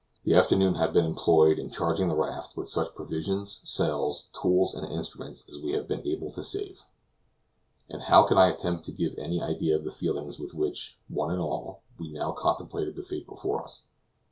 The afternoon has been employed in charging the raft with such provisions, sails, tools, and instruments as we have been able to save. And how can I attempt to give any idea of the feelings with which, one and all, we now contemplated the fate before us?